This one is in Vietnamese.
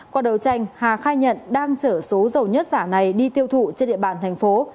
qua đầu tranh hà khai nhận đang chở số dầu nhất giả này đi tiêu thụ trên địa bàn thành phố